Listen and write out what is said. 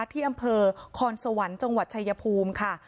ที่อำเภอคอนสวรรค์จังหวัดชายภูมิค่ะ